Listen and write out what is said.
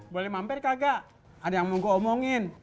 boleh mampir kagak ada yang mau gue omongin